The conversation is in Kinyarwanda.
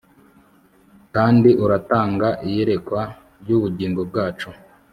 kandi uratanga, iyerekwa ry'ubugingo bwacu